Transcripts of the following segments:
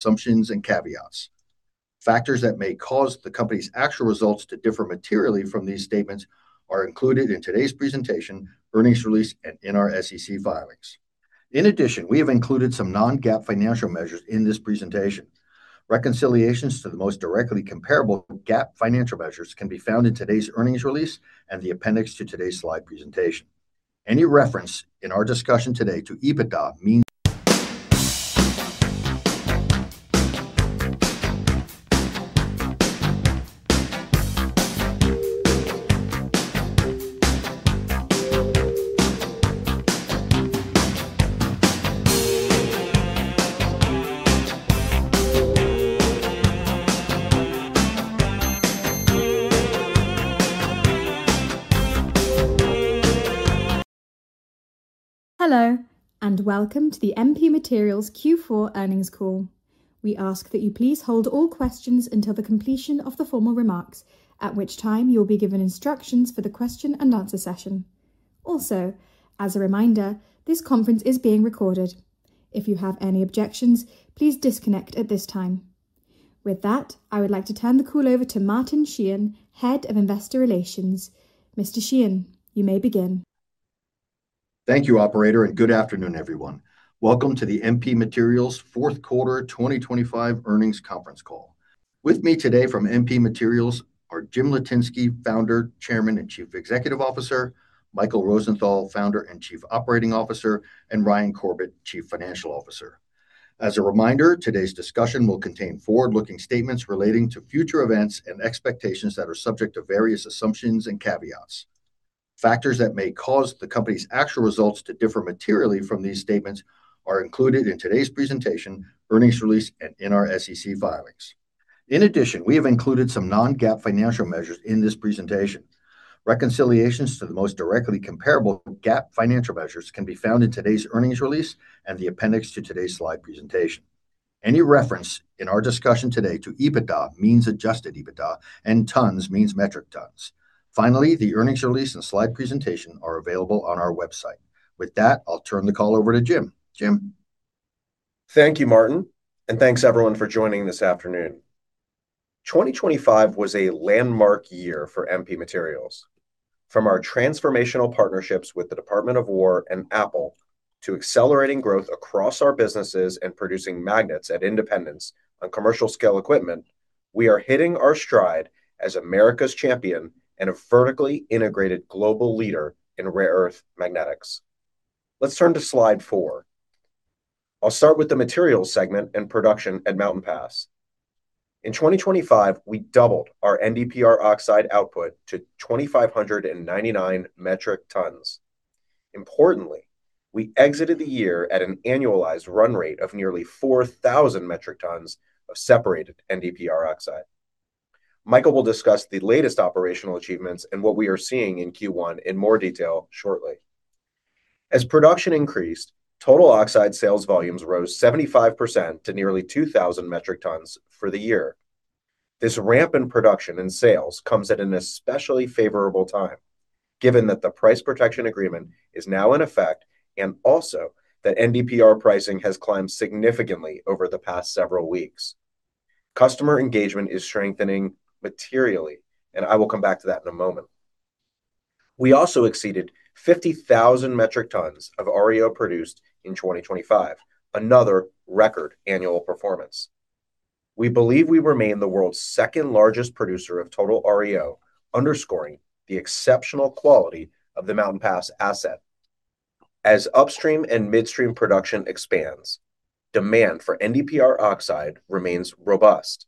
Assumptions and caveats. Factors that may cause the company's actual results to differ materially from these statements are included in today's presentation, earnings release, and in our SEC filings. In addition, we have included some non-GAAP financial measures in this presentation. Reconciliations to the most directly comparable GAAP financial measures can be found in today's earnings release and the appendix to today's slide presentation. Any reference in our discussion today to EBITDA means- Hello, welcome to the MP Materials Q4 Earnings Call. We ask that you please hold all questions until the completion of the formal remarks, at which time you'll be given instructions for the question and answer session. Also, as a reminder, this conference is being recorded. If you have any objections, please disconnect at this time. With that, I would like to turn the call over to Martin Sheehan, Head of Investor Relations. Mr. Sheehan, you may begin. Thank you, operator, and good afternoon, everyone. Welcome to the MP Materials Fourth Quarter 2025 Earnings Conference Call. With me today from MP Materials are Jim Litinsky, Founder, Chairman, and Chief Executive Officer; Michael Rosenthal, Founder and Chief Operating Officer; and Ryan Corbett, Chief Financial Officer. As a reminder, today's discussion will contain forward-looking statements relating to future events and expectations that are subject to various assumptions and caveats. Factors that may cause the company's actual results to differ materially from these statements are included in today's presentation, earnings release, and in our SEC filings. In addition, we have included some non-GAAP financial measures in this presentation. Reconciliations to the most directly comparable GAAP financial measures can be found in today's earnings release and the appendix to today's slide presentation. Any reference in our discussion today to EBITDA means adjusted EBITDA and tons means metric tons. Finally, the earnings release and slide presentation are available on our website. With that, I'll turn the call over to Jim. Jim? Thank you, Martin, and thanks everyone for joining this afternoon. 2025 was a landmark year for MP Materials. From our transformational partnerships with the Department of War and Apple, to accelerating growth across our businesses and producing magnets at Independence on commercial scale equipment, we are hitting our stride as America's champion and a vertically integrated global leader in rare earth magnetics. Let's turn to slide four. I'll start with the materials segment and production at Mountain Pass. In 2025, we doubled our NdPr oxide output to 2,599 metric tons. Importantly, we exited the year at an annualized run rate of nearly 4,000 metric tons of separated NdPr oxide. Michael will discuss the latest operational achievements and what we are seeing in Q1 in more detail shortly. As production increased, total oxide sales volumes rose 75% to nearly 2,000 metric tons for the year. This ramp in production and sales comes at an especially favorable time, given that the price protection agreement is now in effect and also that NdPr pricing has climbed significantly over the past several weeks. Customer engagement is strengthening materially. I will come back to that in a moment. We also exceeded 50,000 metric tons of REO produced in 2025, another record annual performance. We believe we remain the world's second-largest producer of total REO, underscoring the exceptional quality of the Mountain Pass asset. As upstream and midstream production expands, demand for NdPr oxide remains robust.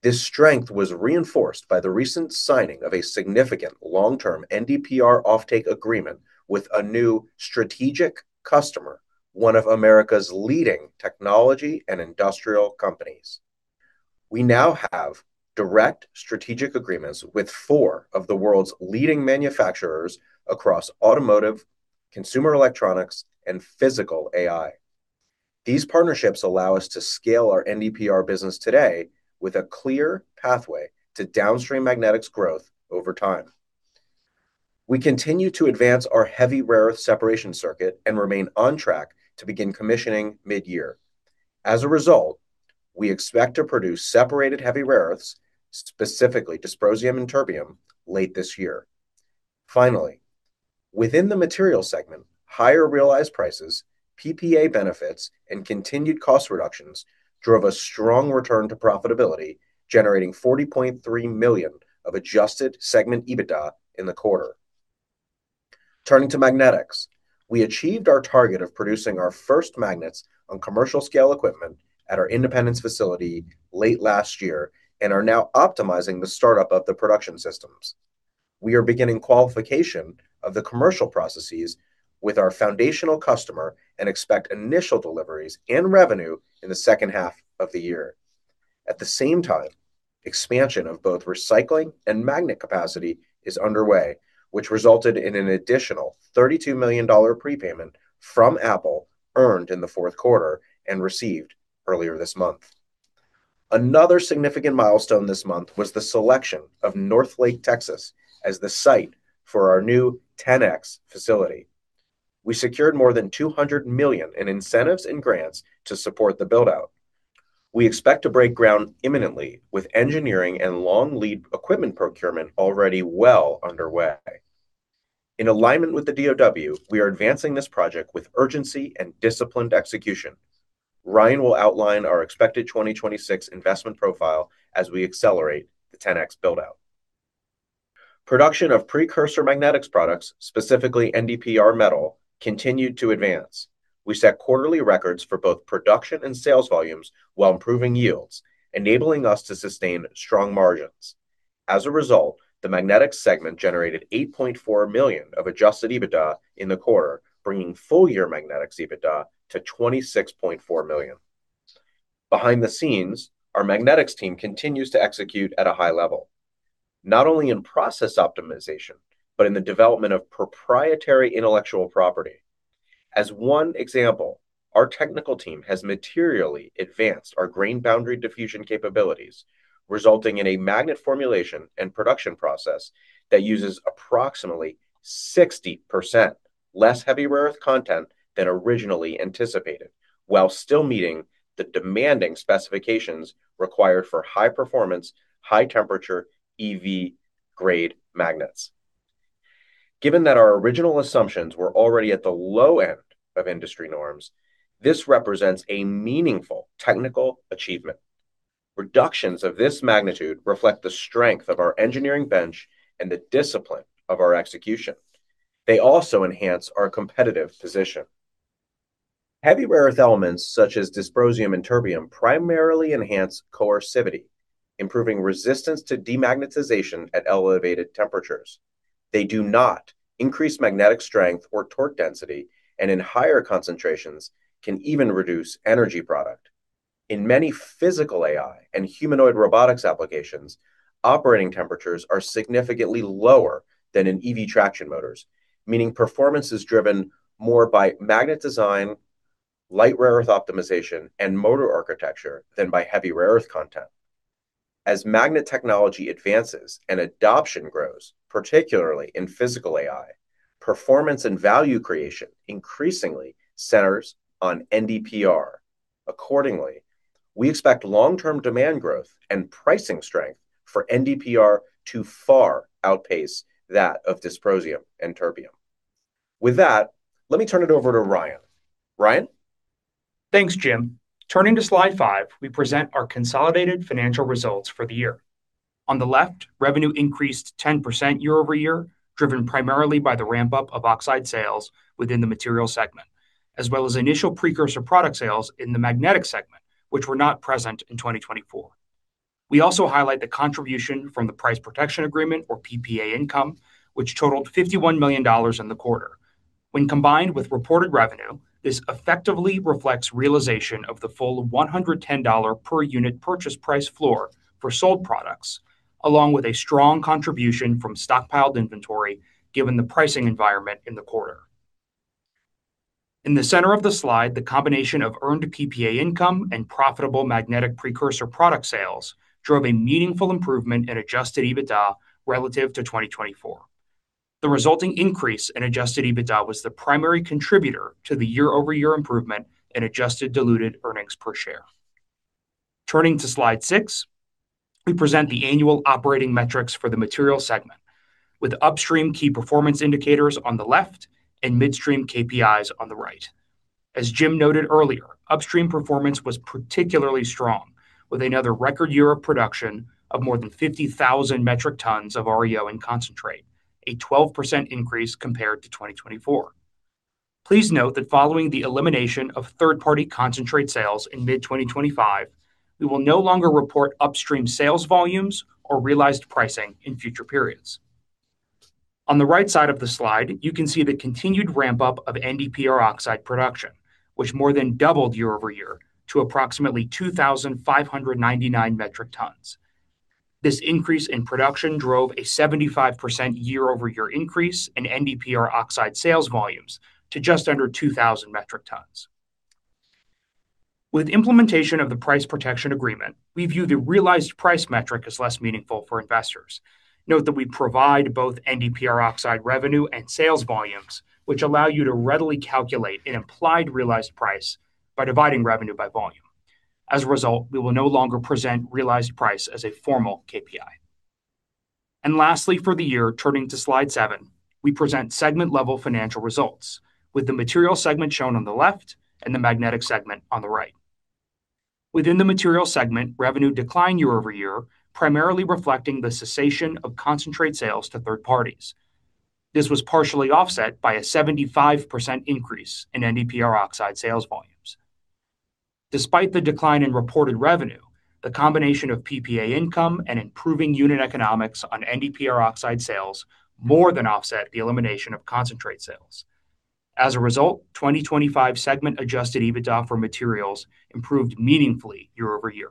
This strength was reinforced by the recent signing of a significant long-term NdPr offtake agreement with a new strategic customer, one of America's leading technology and industrial companies. We now have direct strategic agreements with four of the world's leading manufacturers across automotive, consumer electronics, and physical AI. These partnerships allow us to scale our NdPr business today with a clear pathway to downstream magnetics growth over time. We continue to advance our heavy rare earth separation circuit and remain on track to begin commissioning mid-year. As a result, we expect to produce separated heavy rare earths, specifically dysprosium and terbium, late this year. Finally, within the material segment, higher realized prices, PPA benefits, and continued cost reductions drove a strong return to profitability, generating $40.3 million of adjusted segment EBITDA in the quarter. Turning to magnetics, we achieved our target of producing our first magnets on commercial scale equipment at our Independence facility late last year and are now optimizing the startup of the production systems. We are beginning qualification of the commercial processes with our foundational customer and expect initial deliveries and revenue in the second half of the year. At the same time, expansion of both recycling and magnet capacity is underway, which resulted in an additional $32 million prepayment from Apple earned in the fourth quarter and received earlier this month. Another significant milestone this month was the selection of Northlake, Texas, as the site for our new 10X facility. We secured more than $200 million in incentives and grants to support the build out. We expect to break ground imminently with engineering and long lead equipment procurement already well underway. In alignment with the DoW, we are advancing this project with urgency and disciplined execution. Ryan will outline our expected 2026 investment profile as we accelerate the 10X build out. Production of precursor magnetics products, specifically NdPr metal, continued to advance. We set quarterly records for both production and sales volumes while improving yields, enabling us to sustain strong margins. As a result, the magnetics segment generated $8.4 million of adjusted EBITDA in the quarter, bringing full year magnetics EBITDA to $26.4 million. Behind the scenes, our magnetics team continues to execute at a high level, not only in process optimization, but in the development of proprietary intellectual property. As one example, our technical team has materially advanced our grain boundary diffusion capabilities, resulting in a magnet formulation and production process that uses approximately 60% less heavy rare earth content than originally anticipated, while still meeting the demanding specifications required for high performance, high temperature EV grade magnets. Given that our original assumptions were already at the low end of industry norms, this represents a meaningful technical achievement. Reductions of this magnitude reflect the strength of our engineering bench and the discipline of our execution. They also enhance our competitive position. Heavy rare earth elements such as dysprosium and terbium primarily enhance coercivity, improving resistance to demagnetization at elevated temperatures. They do not increase magnetic strength or torque density, and in higher concentrations can even reduce energy product. In many physical AI and humanoid robotics applications, operating temperatures are significantly lower than in EV traction motors, meaning performance is driven more by magnet design, light rare earth optimization, and motor architecture than by heavy rare earth content. As magnet technology advances and adoption grows, particularly in physical AI, performance and value creation increasingly centers on NdPr. Accordingly, we expect long term demand growth and pricing strength for NdPr to far outpace that of dysprosium and terbium. With that, let me turn it over to Ryan. Ryan? Thanks, Jim. Turning to slide five, we present our consolidated financial results for the year. On the left, revenue increased 10% year-over-year, driven primarily by the ramp up of oxide sales within the material segment, as well as initial precursor product sales in the magnetic segment, which were not present in 2024. We also highlight the contribution from the price protection agreement or PPA income, which totaled $51 million in the quarter. When combined with reported revenue, this effectively reflects realization of the full $110 per unit purchase price floor for sold products, along with a strong contribution from stockpiled inventory given the pricing environment in the quarter. In the center of the slide, the combination of earned PPA income and profitable magnetic precursor product sales drove a meaningful improvement in adjusted EBITDA relative to 2024. The resulting increase in adjusted EBITDA was the primary contributor to the year-over-year improvement in adjusted diluted earnings per share. Turning to slide six, we present the annual operating metrics for the material segment, with upstream key performance indicators on the left and midstream KPIs on the right. As Jim noted earlier, upstream performance was particularly strong, with another record year of production of more than 50,000 metric tons of REO and concentrate, a 12% increase compared to 2024. Please note that following the elimination of third-party concentrate sales in mid 2025, we will no longer report upstream sales volumes or realized pricing in future periods. On the right side of the slide, you can see the continued ramp up of NdPr oxide production, which more than doubled year over year to approximately 2,599 metric tons. This increase in production drove a 75% year-over-year increase in NdPr oxide sales volumes to just under 2,000 metric tons. With implementation of the price protection agreement, we view the realized price metric as less meaningful for investors. Note that we provide both NdPr oxide revenue and sales volumes, which allow you to readily calculate an implied realized price by dividing revenue by volume. Lastly, for the year, turning to slide seven, we present segment level financial results with the material segment shown on the left and the magnetic segment on the right. Within the material segment, revenue declined year-over-year, primarily reflecting the cessation of concentrate sales to third parties. This was partially offset by a 75% increase in NdPr oxide sales volumes. Despite the decline in reported revenue, the combination of PPA income and improving unit economics on NdPr oxide sales more than offset the elimination of concentrate sales. As a result, 2025 segment adjusted EBITDA for materials improved meaningfully year-over-year.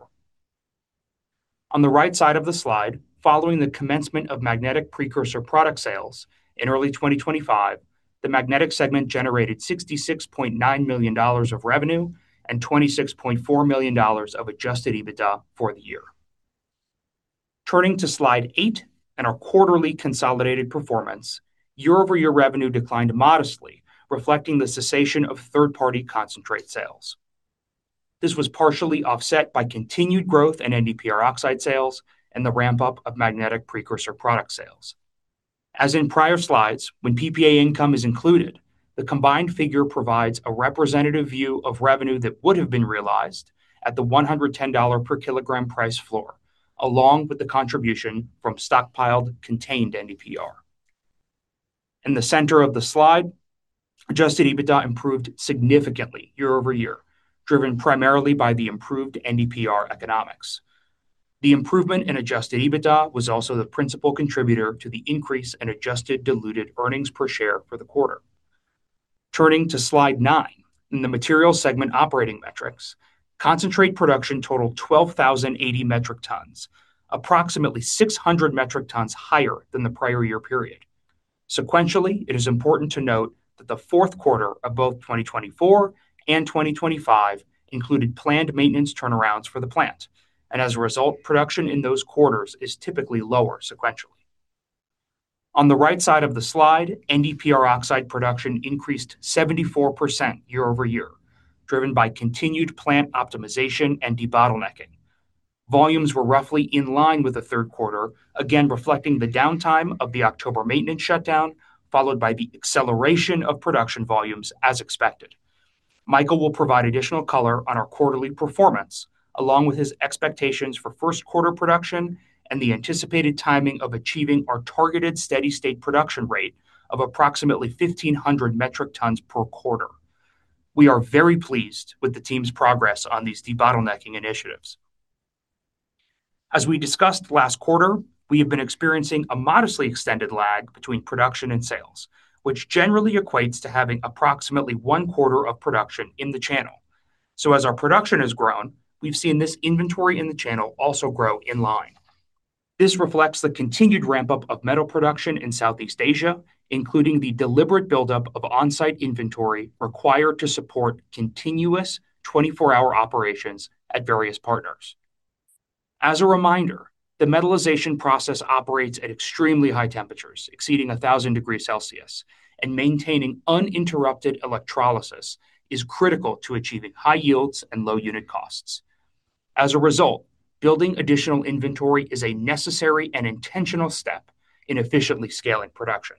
On the right side of the slide, following the commencement of magnetic precursor product sales in early 2025, the magnetic segment generated $66.9 million of revenue and $26.4 million of adjusted EBITDA for the year. Turning to slide eight and our quarterly consolidated performance, year-over-year revenue declined modestly, reflecting the cessation of third-party concentrate sales. This was partially offset by continued growth in NdPr oxide sales and the ramp-up of magnetic precursor product sales. As in prior slides, when PPA income is included, the combined figure provides a representative view of revenue that would have been realized at the $110 per kilogram price floor, along with the contribution from stockpiled, contained NdPr. In the center of the slide, adjusted EBITDA improved significantly year-over-year, driven primarily by the improved NdPr economics. The improvement in adjusted EBITDA was also the principal contributor to the increase in adjusted diluted earnings per share for the quarter. Turning to slide nine, in the materials segment operating metrics, concentrate production totaled 12,080 metric tons, approximately 600 metric tons higher than the prior year period. Sequentially, it is important to note that the fourth quarter of both 2024 and 2025 included planned maintenance turnarounds for the plant, and as a result, production in those quarters is typically lower sequentially. On the right side of the slide, NdPr oxide production increased 74% year-over-year, driven by continued plant optimization and debottlenecking. Volumes were roughly in line with the third quarter, again, reflecting the downtime of the October maintenance shutdown, followed by the acceleration of production volumes as expected. Michael will provide additional color on our quarterly performance, along with his expectations for first quarter production and the anticipated timing of achieving our targeted steady-state production rate of approximately 1,500 metric tons per quarter. We are very pleased with the team's progress on these debottlenecking initiatives. As we discussed last quarter, we have been experiencing a modestly extended lag between production and sales, which generally equates to having approximately one quarter of production in the channel. As our production has grown, we've seen this inventory in the channel also grow in line. This reflects the continued ramp-up of metal production in Southeast Asia, including the deliberate buildup of on-site inventory required to support continuous 24-hour operations at various partners. As a reminder, the metallization process operates at extremely high temperatures, exceeding 1,000°C, and maintaining uninterrupted electrolysis is critical to achieving high yields and low unit costs. As a result, building additional inventory is a necessary and intentional step in efficiently scaling production.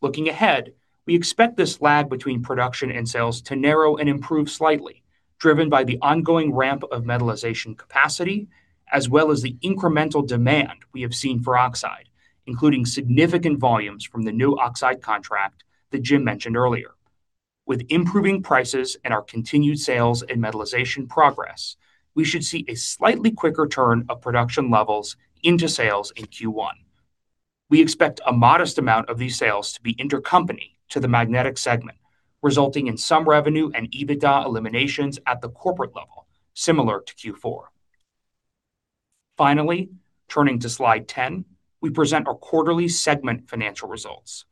Looking ahead, we expect this lag between production and sales to narrow and improve slightly, driven by the ongoing ramp of metallization capacity, as well as the incremental demand we have seen for oxide, including significant volumes from the new oxide contract that Jim mentioned earlier. With improving prices and our continued sales and metallization progress, we should see a slightly quicker turn of production levels into sales in Q1. We expect a modest amount of these sales to be intercompany to the magnetic segment, resulting in some revenue and EBITDA eliminations at the corporate level, similar to Q4. Turning to slide 10, we present our quarterly segment financial results.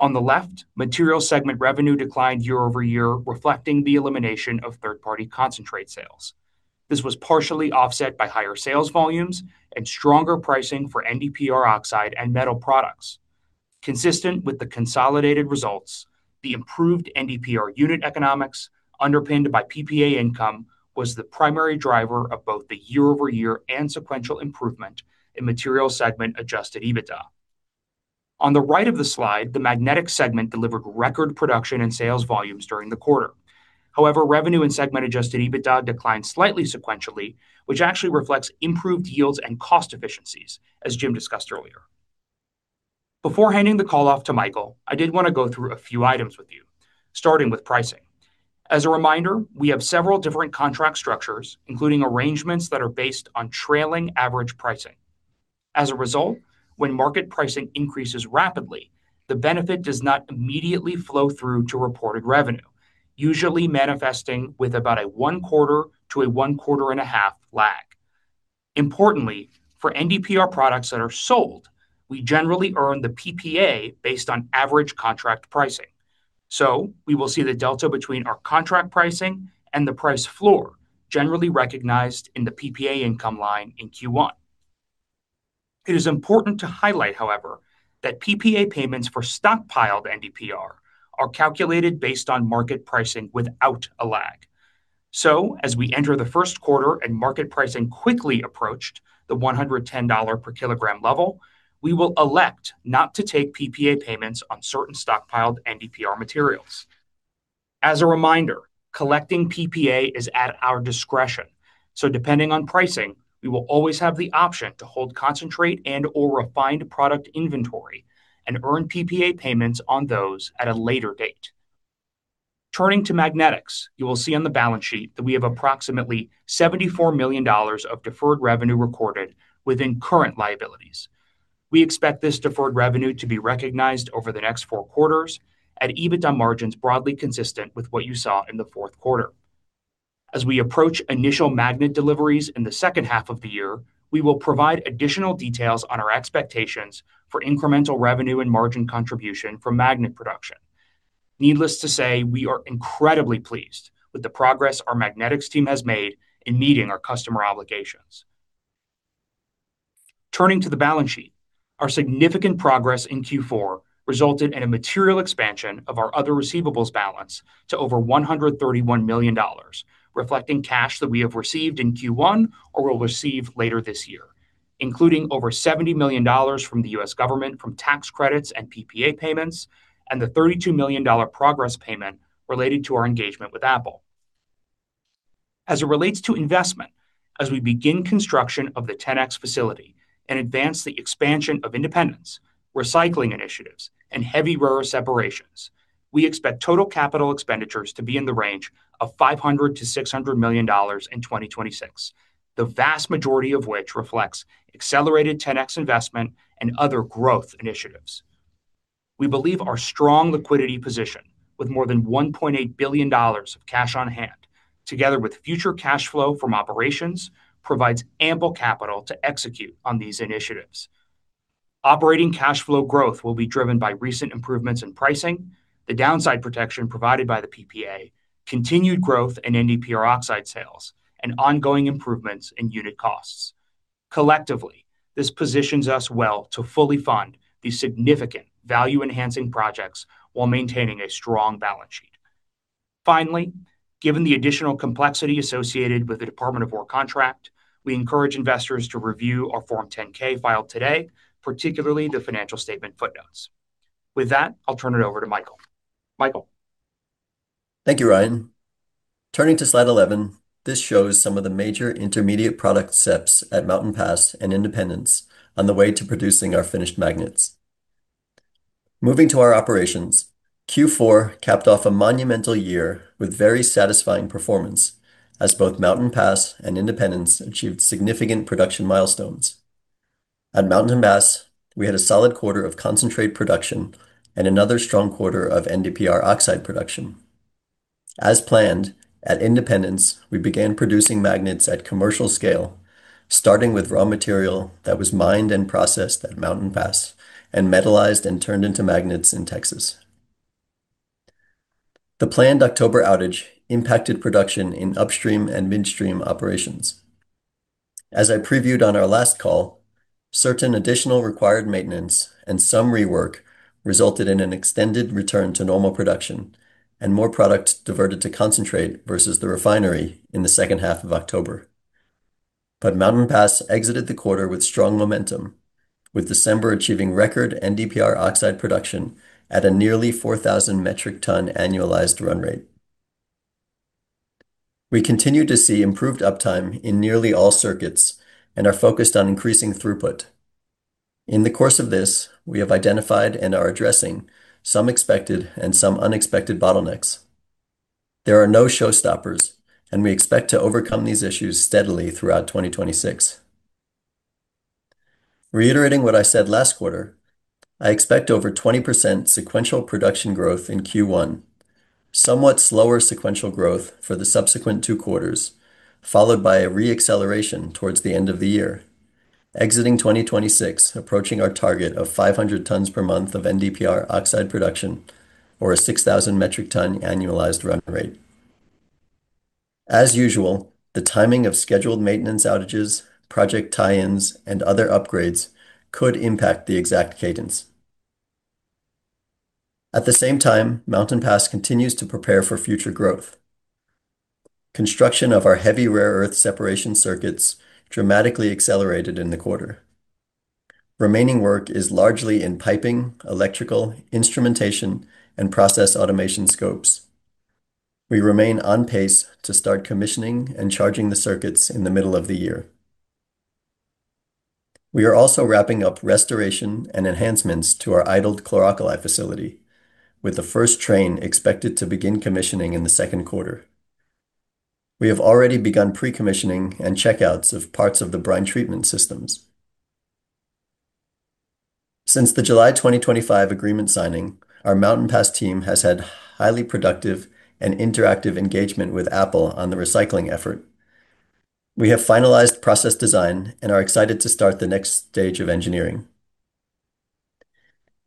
On the left, materials segment revenue declined year-over-year, reflecting the elimination of third-party concentrate sales. This was partially offset by higher sales volumes and stronger pricing for NdPr oxide and metal products. Consistent with the consolidated results, the improved NdPr unit economics, underpinned by PPA income, was the primary driver of both the year-over-year and sequential improvement in materials segment adjusted EBITDA. On the right of the slide, the magnetic segment delivered record production and sales volumes during the quarter. Revenue and segment-adjusted EBITDA declined slightly sequentially, which actually reflects improved yields and cost efficiencies, as Jim discussed earlier. Before handing the call off to Michael, I did want to go through a few items with you, starting with pricing. As a reminder, we have several different contract structures, including arrangements that are based on trailing average pricing. As a result, when market pricing increases rapidly, the benefit does not immediately flow through to reported revenue, usually manifesting with about a one quarter to a one quarter and a half lag. Importantly, for NdPr products that are sold, we generally earn the PPA based on average contract pricing. We will see the delta between our contract pricing and the price floor generally recognized in the PPA income line in Q1. It is important to highlight, however, that PPA payments for stockpiled NdPr are calculated based on market pricing without a lag. As we enter the first quarter and market pricing quickly approached the $110 per kilogram level, we will elect not to take PPA payments on certain stockpiled NdPr materials. As a reminder, collecting PPA is at our discretion, so depending on pricing, we will always have the option to hold concentrate and/or refined product inventory and earn PPA payments on those at a later date. Turning to magnetics, you will see on the balance sheet that we have approximately $74 million of deferred revenue recorded within current liabilities. We expect this deferred revenue to be recognized over the next four quarters at EBITDA margins, broadly consistent with what you saw in the fourth quarter. As we approach initial magnet deliveries in the second half of the year, we will provide additional details on our expectations for incremental revenue and margin contribution from magnet production. Needless to say, we are incredibly pleased with the progress our magnets team has made in meeting our customer obligations. Turning to the balance sheet, our significant progress in Q4 resulted in a material expansion of our other receivables balance to over $131 million, reflecting cash that we have received in Q1 or will receive later this year, including over $70 million from the U.S. government from tax credits and PPA payments, and the $32 million progress payment related to our engagement with Apple. It relates to investment, as we begin construction of the 10X facility and advance the expansion of Independence, recycling initiatives, and heavy rare separations, we expect total capital expenditures to be in the range of $500 million-$600 million in 2026. The vast majority of which reflects accelerated 10X investment and other growth initiatives. We believe our strong liquidity position, with more than $1.8 billion of cash on hand, together with future cash flow from operations, provides ample capital to execute on these initiatives. Operating cash flow growth will be driven by recent improvements in pricing, the downside protection provided by the PPA, continued growth in NdPr oxide sales, and ongoing improvements in unit costs. Collectively, this positions us well to fully fund these significant value-enhancing projects while maintaining a strong balance sheet. Finally, given the additional complexity associated with the Department of War contract, we encourage investors to review our Form 10-K filed today, particularly the financial statement footnotes. With that, I'll turn it over to Michael. Michael? Thank you, Ryan. Turning to slide 11, this shows some of the major intermediate product steps at Mountain Pass and Independence on the way to producing our finished magnets. Moving to our operations, Q4 capped off a monumental year with very satisfying performance, as both Mountain Pass and Independence achieved significant production milestones. At Mountain Pass, we had a solid quarter of concentrate production and another strong quarter of NdPr oxide production. As planned, at Independence, we began producing magnets at commercial scale, starting with raw material that was mined and processed at Mountain Pass and metalized and turned into magnets in Texas. The planned October outage impacted production in upstream and midstream operations. As I previewed on our last call, certain additional required maintenance and some rework resulted in an extended return to normal production and more product diverted to concentrate versus the refinery in the second half of October. Mountain Pass exited the quarter with strong momentum, with December achieving record NdPr oxide production at a nearly 4,000 metric ton annualized run rate. We continued to see improved uptime in nearly all circuits and are focused on increasing throughput. In the course of this, we have identified and are addressing some expected and some unexpected bottlenecks. There are no showstoppers, and we expect to overcome these issues steadily throughout 2026. Reiterating what I said last quarter, I expect over 20% sequential production growth in Q1, somewhat slower sequential growth for the subsequent two quarters, followed by a re-acceleration towards the end of the year, exiting 2026, approaching our target of 500 tons per month of NdPr oxide production or a 6,000 metric ton annualized run rate. As usual, the timing of scheduled maintenance outages, project tie-ins, and other upgrades could impact the exact cadence. At the same time, Mountain Pass continues to prepare for future growth. Construction of our heavy rare earth separation circuits dramatically accelerated in the quarter. Remaining work is largely in piping, electrical, instrumentation, and process automation scopes. We remain on pace to start commissioning and charging the circuits in the middle of the year. We are also wrapping up restoration and enhancements to our idled chloralkali facility, with the first train expected to begin commissioning in the second quarter. We have already begun pre-commissioning and checkouts of parts of the brine treatment systems. Since the July 2025 agreement signing, our Mountain Pass team has had highly productive and interactive engagement with Apple on the recycling effort. We have finalized process design and are excited to start the next stage of engineering.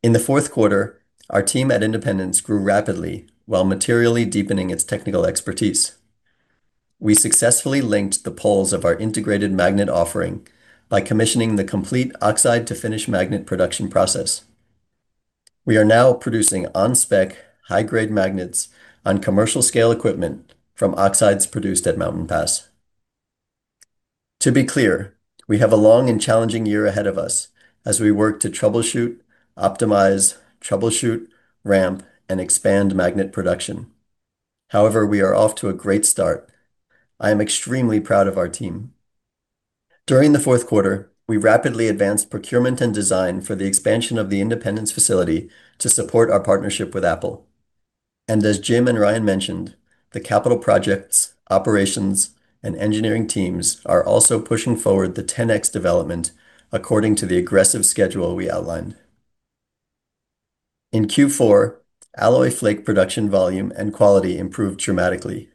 In the fourth quarter, our team at Independence grew rapidly while materially deepening its technical expertise. We successfully linked the poles of our integrated magnet offering by commissioning the complete oxide to finish magnet production process. We are now producing on-spec, high-grade magnets on commercial scale equipment from oxides produced at Mountain Pass. To be clear, we have a long and challenging year ahead of us as we work to troubleshoot, optimize, troubleshoot, ramp, and expand magnet production. However, we are off to a great start. I am extremely proud of our team. During the fourth quarter, we rapidly advanced procurement and design for the expansion of the Independence facility to support our partnership with Apple. As Jim and Ryan mentioned, the capital projects, operations, and engineering teams are also pushing forward the 10X development according to the aggressive schedule we outlined. In Q4, alloy flake production volume and quality improved dramatically.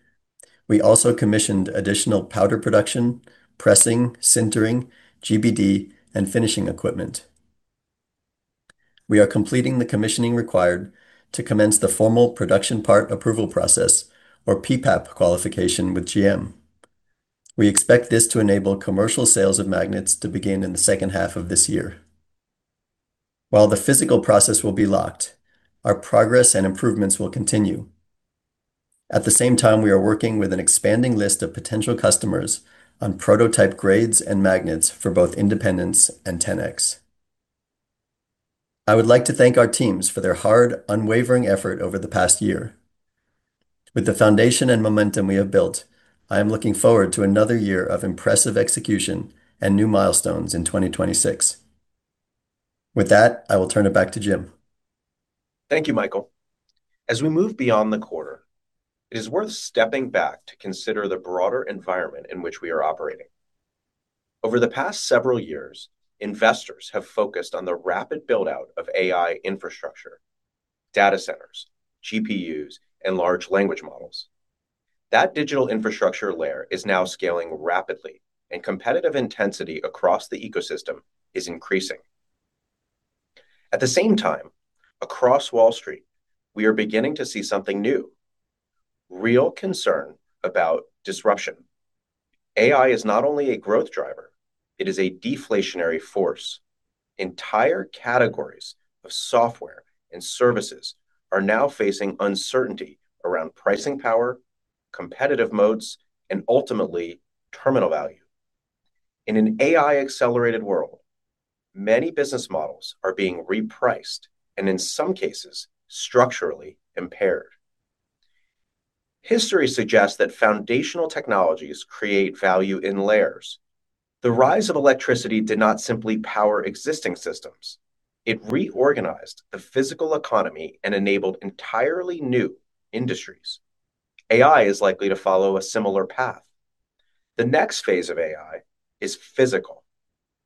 We also commissioned additional powder production, pressing, sintering, GBD, and finishing equipment. We are completing the commissioning required to commence the formal production part approval process or PPAP qualification with GM. We expect this to enable commercial sales of magnets to begin in the second half of this year. While the physical process will be locked, our progress and improvements will continue. At the same time, we are working with an expanding list of potential customers on prototype grades and magnets for both Independence and 10X. I would like to thank our teams for their hard, unwavering effort over the past year. With the foundation and momentum we have built, I am looking forward to another year of impressive execution and new milestones in 2026. With that, I will turn it back to Jim. Thank you, Michael. We move beyond the quarter, it is worth stepping back to consider the broader environment in which we are operating. Over the past several years, investors have focused on the rapid build-out of AI infrastructure, data centers, GPUs, and large language models. That digital infrastructure layer is now scaling rapidly, and competitive intensity across the ecosystem is increasing. At the same time, across Wall Street, we are beginning to see something new, real concern about disruption. AI is not only a growth driver, it is a deflationary force. Entire categories of software and services are now facing uncertainty around pricing power, competitive modes, and ultimately terminal value. In an AI-accelerated world, many business models are being repriced, and in some cases, structurally impaired. History suggests that foundational technologies create value in layers. The rise of electricity did not simply power existing systems. It reorganized the physical economy and enabled entirely new industries. AI is likely to follow a similar path. The next phase of AI is physical.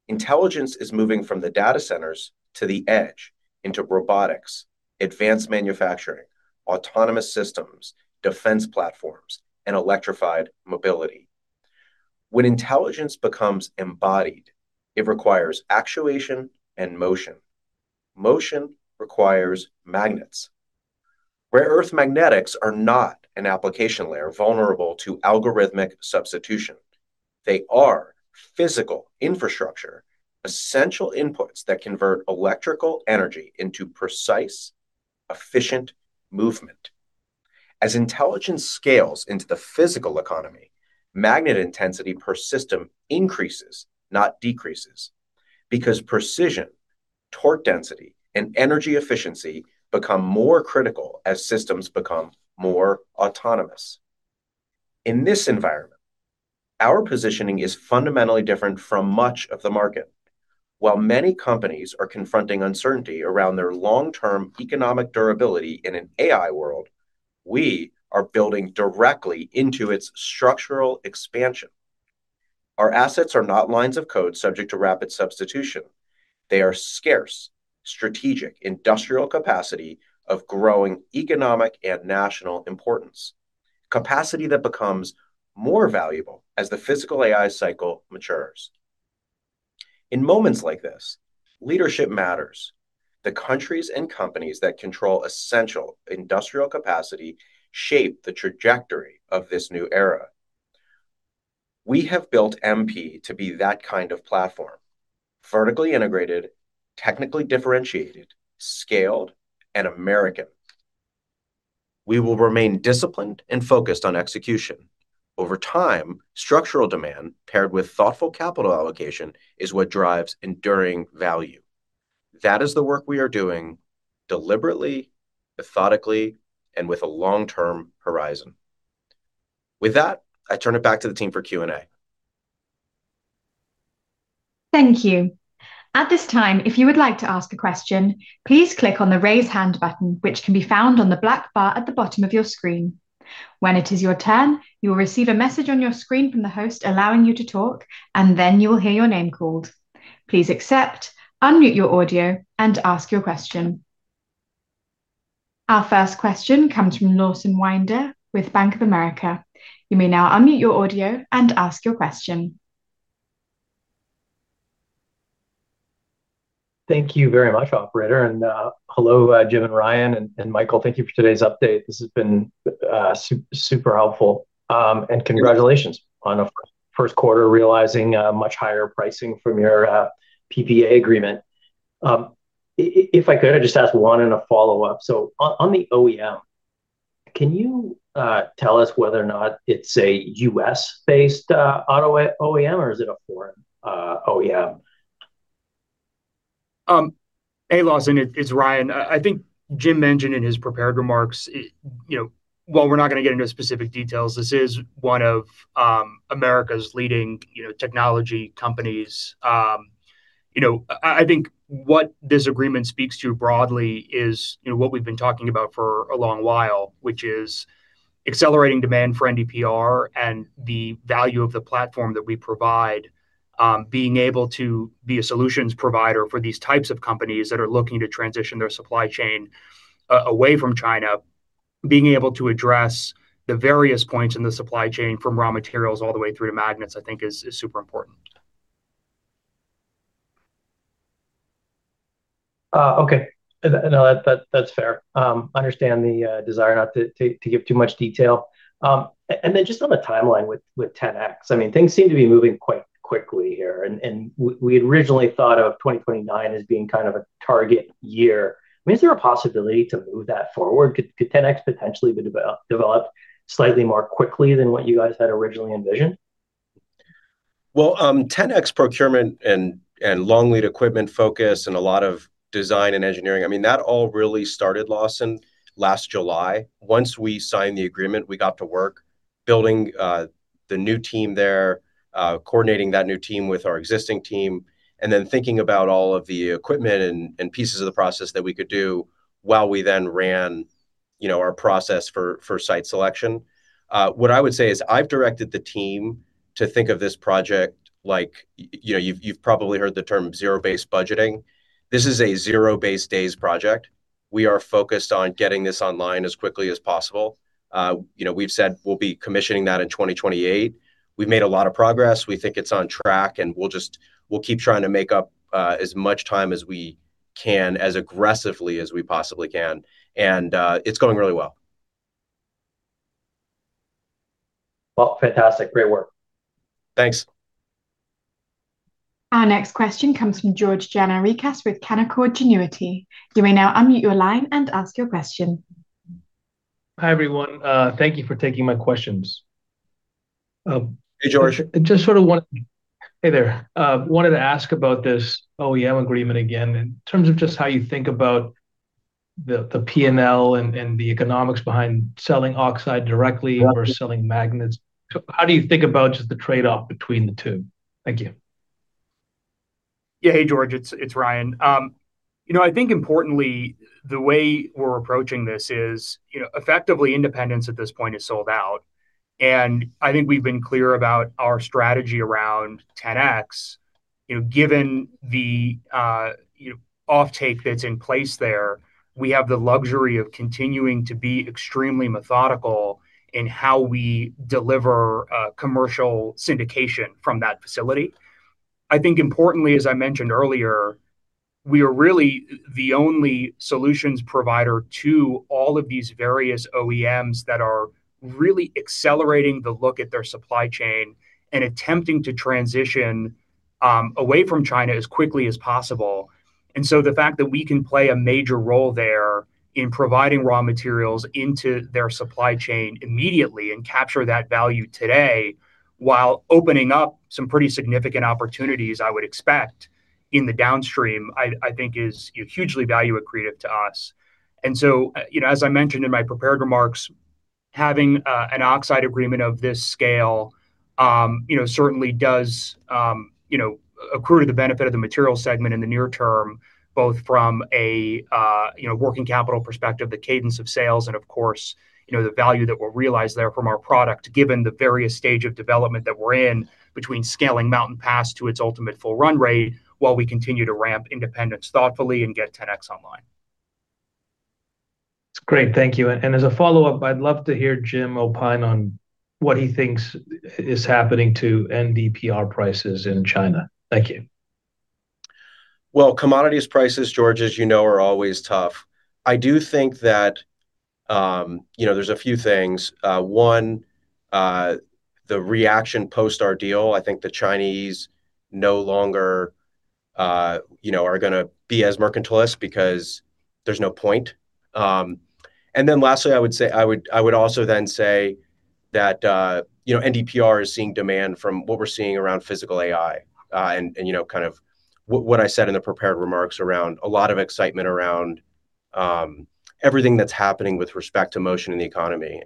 Intelligence is moving from the data centers to the edge into robotics, advanced manufacturing, autonomous systems, defense platforms, and electrified mobility. When intelligence becomes embodied, it requires actuation and motion. Motion requires magnets. Rare earth magnetics are not an application layer vulnerable to algorithmic substitution. They are physical infrastructure, essential inputs that convert electrical energy into precise, efficient movement. As intelligence scales into the physical economy, magnet intensity per system increases, not decreases, because precision, torque density, and energy efficiency become more critical as systems become more autonomous. In this environment, our positioning is fundamentally different from much of the market. While many companies are confronting uncertainty around their long-term economic durability in an AI world, we are building directly into its structural expansion. Our assets are not lines of code subject to rapid substitution. They are scarce, strategic, industrial capacity of growing economic and national importance, capacity that becomes more valuable as the physical AI cycle matures. In moments like this, leadership matters. The countries and companies that control essential industrial capacity shape the trajectory of this new era. We have built MP to be that kind of platform, vertically integrated, technically differentiated, scaled, and American. We will remain disciplined and focused on execution. Over time, structural demand paired with thoughtful capital allocation is what drives enduring value. That is the work we are doing deliberately, methodically, and with a long-term horizon. With that, I turn it back to the team for Q&A. Thank you. At this time, if you would like to ask a question, please click on the Raise Hand button, which can be found on the black bar at the bottom of your screen. When it is your turn, you will receive a message on your screen from the host allowing you to talk, and then you will hear your name called. Please accept, unmute your audio, and ask your question. Our first question comes from Lawson Winder with Bank of America. You may now unmute your audio and ask your question. Thank you very much, operator. Hello, Jim and Ryan and Michael. Thank you for today's update. This has been super helpful. Congratulations on a first quarter realizing much higher pricing from your PPA agreement. If I could, I'd just ask one and a follow-up. On the OEM, can you tell us whether or not it's a U.S.-based auto OEM, or is it a foreign OEM? Hey, Lawson, it's Ryan. I think Jim mentioned in his prepared remarks, you know, while we're not gonna get into specific details, this is one of America's leading, you know, technology companies. You know, I think what this agreement speaks to broadly is, you know, what we've been talking about for a long while, which is accelerating demand for NdPr and the value of the platform that we provide, being able to be a solutions provider for these types of companies that are looking to transition their supply chain away from China. Being able to address the various points in the supply chain from raw materials all the way through to magnets, I think is super important. Okay. No, that's fair. Understand the desire not to give too much detail. Then just on the timeline with 10X, I mean, things seem to be moving quite quickly here, and we had originally thought of 2029 as being kind of a target year. I mean, is there a possibility to move that forward? Could 10X potentially be developed slightly more quickly than what you guys had originally envisioned? Well, 10X procurement and long lead equipment focus and a lot of design and engineering, that all really started, Lawson, last July. Once we signed the agreement, we got to work building the new team there, coordinating that new team with our existing team, then thinking about all of the equipment and pieces of the process that we could do while we then ran our process for site selection. What I would say is I've directed the team to think of this project like you've probably heard the term zero-based budgeting. This is a zero-based days project. We are focused on getting this online as quickly as possible. We've said we'll be commissioning that in 2028. We've made a lot of progress. We think it's on track. We'll keep trying to make up as much time as we can as aggressively as we possibly can. It's going really well. Well, fantastic. Great work. Thanks. Our next question comes from George Gianarikas with Canaccord Genuity. You may now unmute your line and ask your question. Hi, everyone. Thank you for taking my questions. Hey, George. Hey there. Wanted to ask about this OEM agreement again in terms of just how you think about the P&L and the economics behind selling oxide directly or selling magnets. How do you think about just the trade-off between the two? Thank you. Yeah. Hey, George. It's Ryan. You know, I think importantly, the way we're approaching this is, you know, effectively Independence at this point is sold out. I think we've been clear about our strategy around 10X. You know, given the, you know, offtake that's in place there, we have the luxury of continuing to be extremely methodical in how we deliver commercial syndication from that facility. I think importantly, as I mentioned earlier, we are really the only solutions provider to all of these various OEMs that are really accelerating the look at their supply chain and attempting to transition away from China as quickly as possible. The fact that we can play a major role there in providing raw materials into their supply chain immediately and capture that value today while opening up some pretty significant opportunities, I would expect, in the downstream, I think is, you know, hugely value accretive to us. You know, as I mentioned in my prepared remarks, having an oxide agreement of this scale, you know, certainly does, you know, accrue to the benefit of the material segment in the near term, both from a, you know, working capital perspective, the cadence of sales, and of course, you know, the value that we'll realize there from our product given the various stage of development that we're in between scaling Mountain Pass to its ultimate full run rate while we continue to ramp Independence thoughtfully and get 10X online. That's great. Thank you. As a follow-up, I'd love to hear Jim opine on what he thinks is happening to NdPr prices in China. Thank you. Well, commodities prices, George, as you know, are always tough. I do think that, you know, there's a few things. One, the reaction post our deal, I think the Chinese no longer, you know, are gonna be as mercantilist because there's no point. Lastly, I would also then say that, you know, NdPr is seeing demand from what we're seeing around physical AI, and, you know, kind of what I said in the prepared remarks around a lot of excitement around everything that's happening with respect to motion in the economy.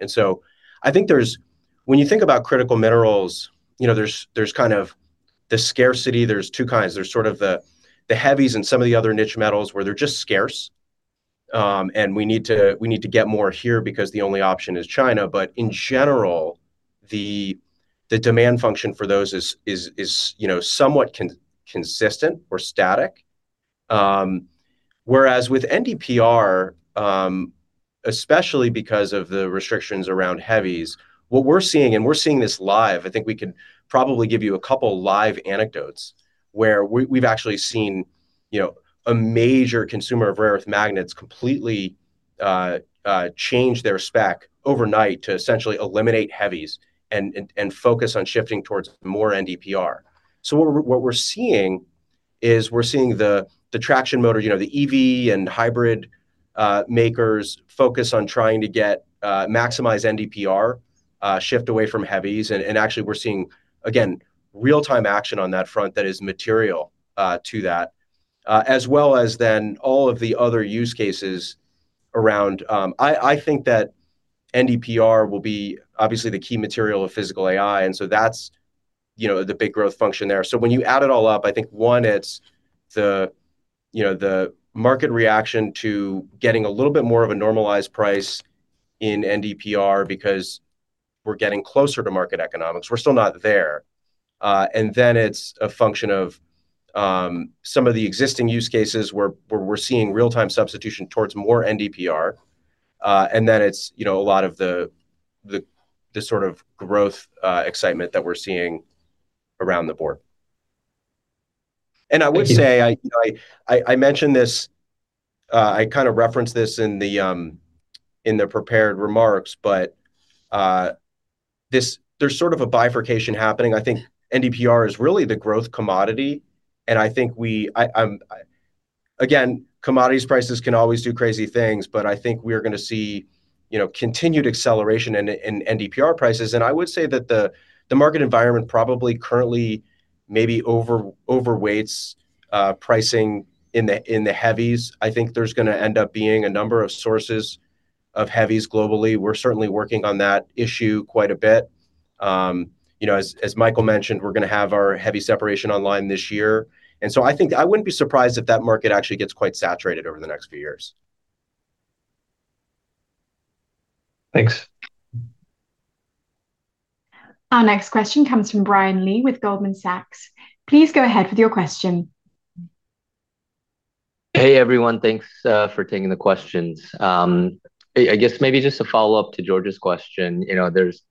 I think there's. When you think about critical minerals, you know, there's kind of the scarcity. There's two kinds. There's sort of the heavies and some of the other niche metals where they're just scarce, and we need to get more here because the only option is China. In general, the demand function for those is, you know, somewhat consistent or static. Whereas with NdPr, especially because of the restrictions around heavies, what we're seeing, and we're seeing this live, I think we can probably give you a couple live anecdotes where we've actually seen, you know, a major consumer of rare earth magnets completely change their spec overnight to essentially eliminate heavies and focus on shifting towards more NdPr. What we're seeing is we're seeing the traction motor, you know, the EV and hybrid makers focus on trying to maximize NdPr, shift away from heavies. Actually we're seeing, again, real-time action on that front that is material to that as well as then all of the other use cases around. I think that NdPr will be obviously the key material of physical AI, that's, you know, the big growth function there. When you add it all up, I think, one, it's the, you know, the market reaction to getting a little bit more of a normalized price in NdPr because we're getting closer to market economics. We're still not there. It's a function of some of the existing use cases where we're seeing real-time substitution towards more NdPr. It's, you know, a lot of the sort of growth excitement that we're seeing around the board. I would say, I mention this, I kinda reference this in the prepared remarks. There's sort of a bifurcation happening. I think NdPr is really the growth commodity. Again, commodities prices can always do crazy things, but I think we're gonna see, you know, continued acceleration in NdPr prices. I would say that the market environment probably currently maybe overweights pricing in the heavies. I think there's gonna end up being a number of sources of heavies globally. We're certainly working on that issue quite a bit. You know, as Michael mentioned, we're gonna have our heavy separation online this year. I think I wouldn't be surprised if that market actually gets quite saturated over the next few years. Thanks. Our next question comes from Brian Lee with Goldman Sachs. Please go ahead with your question. Hey, everyone. Thanks for taking the questions. I guess maybe just a follow-up to George's question. You know, there's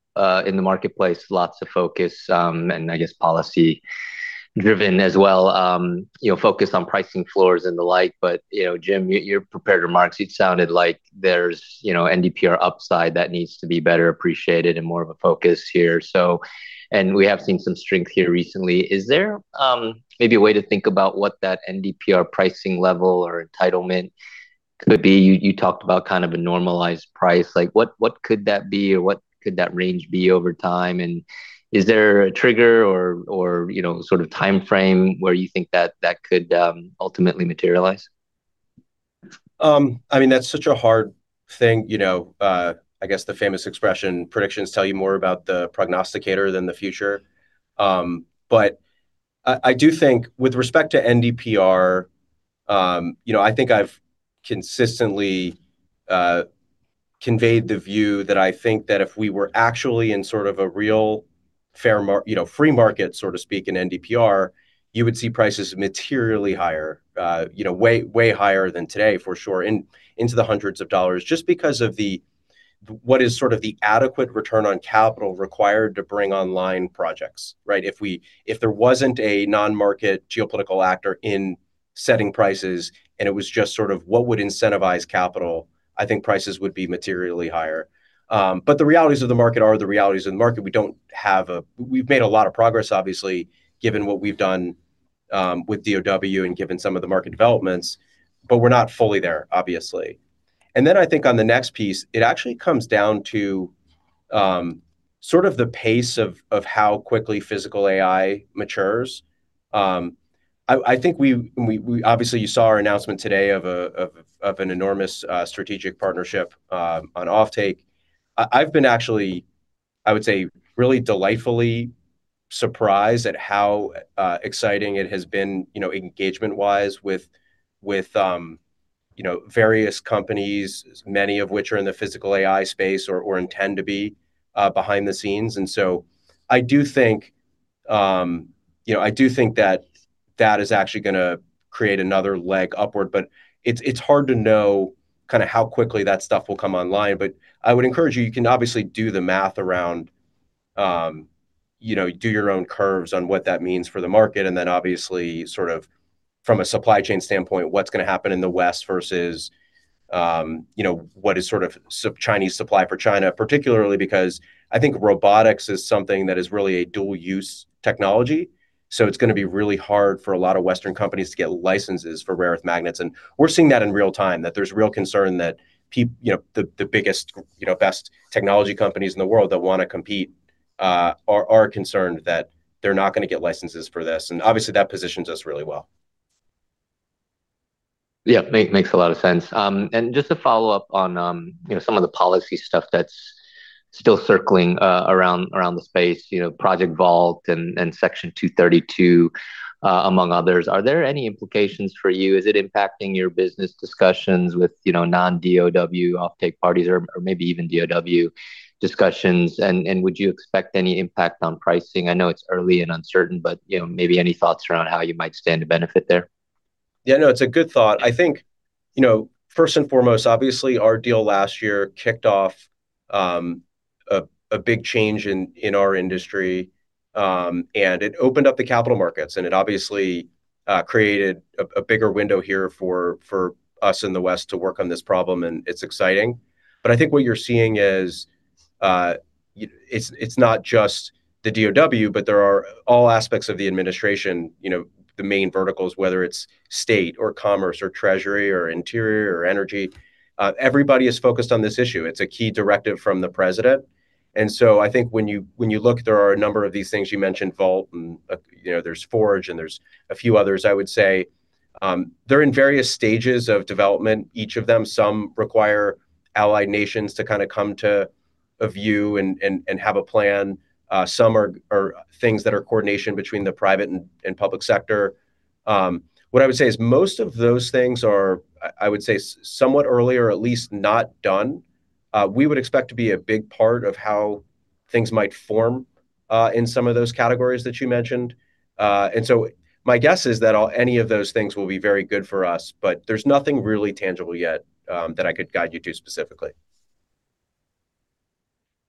in the marketplace, lots of focus, and I guess policy driven as well, you know, focused on pricing floors and the like. You know, Jim, your prepared remarks, it sounded like there's, you know, NdPr upside that needs to be better appreciated and more of a focus here. We have seen some strength here recently. Is there maybe a way to think about what that NdPr pricing level or entitlement could be? You talked about kind of a normalized price. Like, what could that be, or what could that range be over time? Is there a trigger or, you know, sort of timeframe where you think that that could ultimately materialize? I mean, that's such a hard thing, you know. I guess the famous expression, predictions tell you more about the prognosticator than the future. I do think with respect to NdPr, you know, I think I've consistently conveyed the view that I think that if we were actually in sort of a real fair, you know, free market, so to speak, in NdPr, you would see prices materially higher, you know, way higher than today for sure, into the hundreds of dollars, just because of the what is sort of the adequate return on capital required to bring online projects, right? If there wasn't a non-market geopolitical actor in setting prices and it was just sort of what would incentivize capital, I think prices would be materially higher. The realities of the market are the realities of the market. We've made a lot of progress, obviously, given what we've done with DoW and given some of the market developments, but we're not fully there, obviously. I think on the next piece, it actually comes down to sort of the pace of how quickly physical AI matures. Obviously, you saw our announcement today of an enormous strategic partnership on offtake. I've been actually, I would say, really delightfully surprised at how exciting it has been, you know, engagement-wise with, you know, various companies, many of which are in the physical AI space or intend to be behind the scenes. I do think, you know, I do think that that is actually gonna create another leg upward, but it's hard to know kinda how quickly that stuff will come online. I would encourage you can obviously do the math around, you know, do your own curves on what that means for the market and then obviously sort of from a supply chain standpoint, what's gonna happen in the West versus, you know, what is sort of Chinese supply for China, particularly because I think robotics is something that is really a dual use technology, so it's gonna be really hard for a lot of Western companies to get licenses for rare earth magnets. We're seeing that in real-time, that there's real concern that you know, the biggest, you know, best technology companies in the world that wanna compete, are concerned that they're not gonna get licenses for this, and obviously that positions us really well. Yeah. Makes a lot of sense. Just to follow up on, you know, some of the policy stuff that's still circling around the space, you know, Project Vault and Section 232, among others, are there any implications for you? Is it impacting your business discussions with, you know, non-DoW offtake parties or maybe even DoW discussions? Would you expect any impact on pricing? I know it's early and uncertain, but, you know, maybe any thoughts around how you might stand to benefit there? Yeah. No, it's a good thought. I think, you know, first and foremost, obviously our deal last year kicked off a big change in our industry, and it opened up the capital markets and it obviously created a bigger window here for us in the West to work on this problem, and it's exciting. I think what you're seeing is it's not just the DoW, but there are all aspects of the administration, you know, the main verticals, whether it's state or commerce or treasury or interior or energy, everybody is focused on this issue. It's a key directive from the president. I think when you look, there are a number of these things you mentioned, Vault and, you know, there's FORGE and there's a few others, I would say. They're in various stages of development, each of them. Some require allied nations to kinda come to a view and have a plan. Some are things that are coordination between the private and public sector. What I would say is most of those things are, I would say somewhat early or at least not done. We would expect to be a big part of how things might form in some of those categories that you mentioned. My guess is that all, any of those things will be very good for us, but there's nothing really tangible yet, that I could guide you to specifically.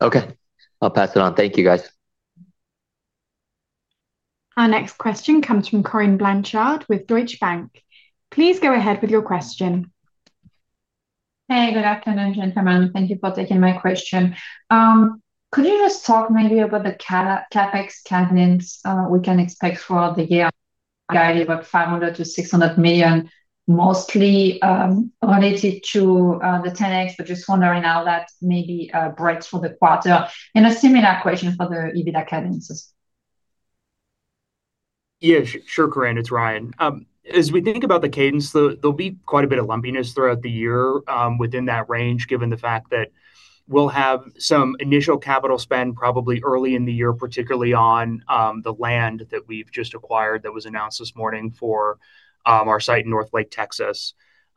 Okay. I'll pass it on. Thank you, guys. Our next question comes from Corinne Blanchard with Deutsche Bank. Please go ahead with your question. Hey, good afternoon, gentlemen. Thank you for taking my question. Could you just talk maybe about the CapEx cadence we can expect for the year? Guide you gave of $500 million-$600 million mostly related to the 10X, but just wondering how that maybe breaks for the quarter. A similar question for the EBITDA cadences. Sure, Corinne, it's Ryan. As we think about the cadence, there'll be quite a bit of lumpiness throughout the year, within that range, given the fact that we'll have some initial capital spend probably early in the year, particularly on the land that we've just acquired that was announced this morning for our site in Northlake, Texas.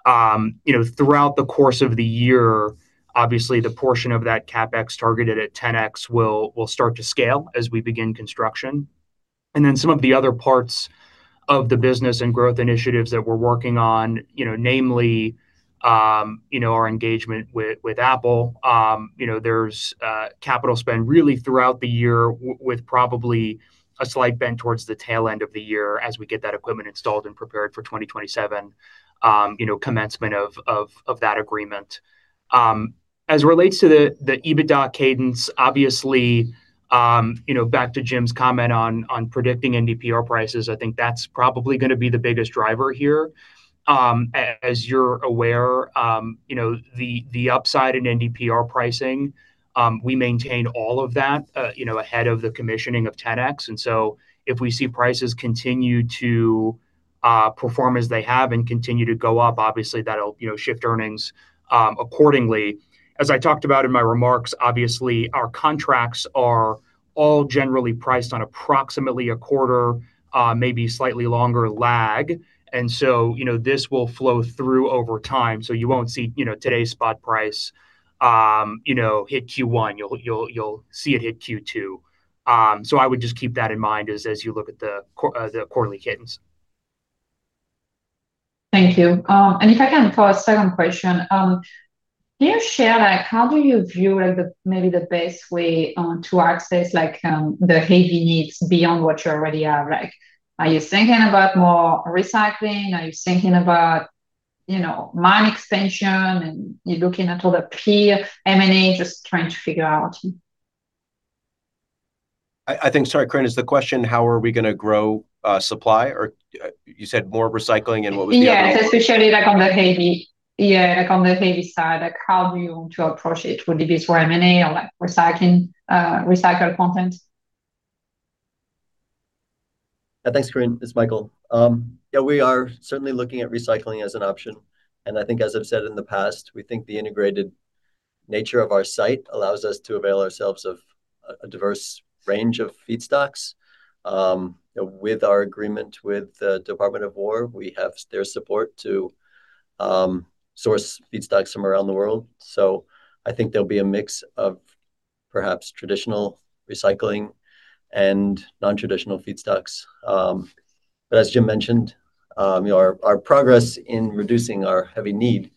You know, throughout the course of the year, obviously, the portion of that CapEx targeted at 10X will start to scale as we begin construction. Some of the other parts of the business and growth initiatives that we're working on, you know, namely, our engagement with Apple, you know, there's capital spend really throughout the year with probably a slight bend towards the tail end of the year as we get that equipment installed and prepared for 2027, you know, commencement of that agreement. As relates to the EBITDA cadence, obviously, you know, back to Jim's comment on predicting NdPr prices, I think that's probably gonna be the biggest driver here. As you're aware, you know, the upside in NdPr pricing, we maintain all of that, you know, ahead of the commissioning of 10X. If we see prices continue to perform as they have and continue to go up, obviously that'll, you know, shift earnings accordingly. As I talked about in my remarks, obviously, our contracts are all generally priced on approximately a quarter, maybe slightly longer lag. You know, this will flow through over time. You won't see, you know, today's spot price, you know, hit Q1. You'll see it hit Q2. I would just keep that in mind as you look at the quarterly cadence. Thank you. If I can, for a second question, can you share, how do you view, the, maybe the best way, to access, the heavy needs beyond what you already are? Are you thinking about more recycling? Are you thinking about, you know, mine expansion, and you're looking at all the peer M&A? Just trying to figure out. I think Sorry, Corinne, is the question, how are we gonna grow supply? You said more recycling and what was the other part? Yeah, especially like on the heavy side, like how do you approach it? Would it be through M&A or like recycling, recycled content? Thanks, Corinne. It's Michael. Yeah, we are certainly looking at recycling as an option. I think as I've said in the past, we think the integrated nature of our site allows us to avail ourselves of a diverse range of feedstocks. With our agreement with the Department of War, we have their support to source feedstocks from around the world. I think there'll be a mix of perhaps traditional recycling and non-traditional feedstocks. As Jim mentioned, you know, our progress in reducing our heavy need,